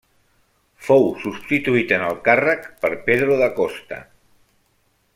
Fou substituït en el càrrec per Pedro da Costa.